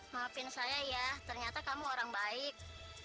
maafin saya ya ternyata kamu orang baik